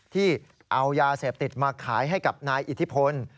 ที่เอายาเสพติดมาขายให้กับนายอิทธิพล